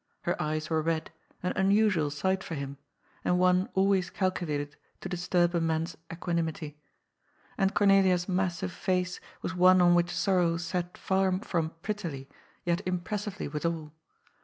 Her eyes were red, an unusual sight for him, and one always calculated to disturb a man's equanimity. And Cornelia's massiye face was one on which sorrow sat far from prettily, yet impressively withal.